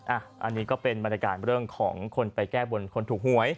อันนี้ก็เป็นบรรยากาศเรื่องของคนไปแก้บนคนถูกหวย